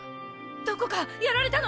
どこかやられたの？